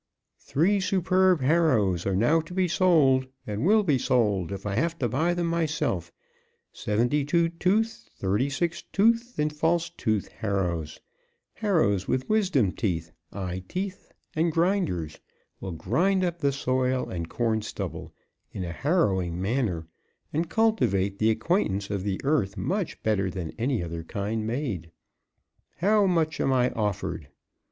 "Three superb harrows are now to be sold, and will be sold, if I have to buy them myself seventy two tooth, thirty six tooth and false tooth harrows; harrows with wisdom teeth, eye teeth and grinders, will grind up the soil and corn stubble in a harrowing manner, and cultivate the acquaintance of the earth better than any other kinds made. How much am I offered?"